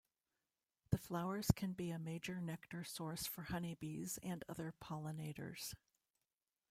The flowers can be a major nectar source for honeybees and other pollinators.